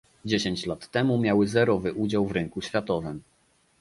Dziesięć lat temu miały zerowy udział w rynku światowym